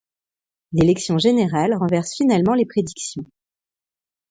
L'élection générale renverse finalement les prédictions.